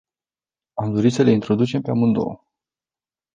Am dori să le introducem pe amândouă.